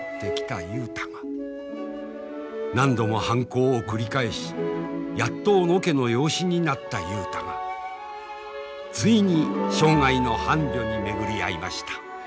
何度も反抗を繰り返しやっと小野家の養子になった雄太がついに生涯の伴侶に巡り合いました。